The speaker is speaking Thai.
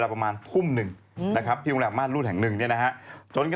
กลัวว่าผมจะต้องไปพูดให้ปากคำกับตำรวจยังไง